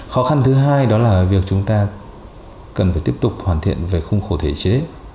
khó khăn thứ hai đó là việc chúng ta cần phải tiếp tục hoàn thiện về khung khổ thể chế